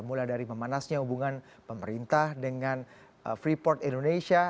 mulai dari memanasnya hubungan pemerintah dengan freeport indonesia